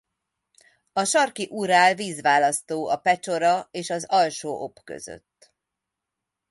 A Sarki-Urál vízválasztó a Pecsora és az Alsó-Ob között.